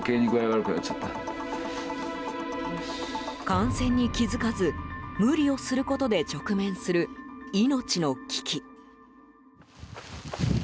感染に気付かず無理をすることで直面する命の危機。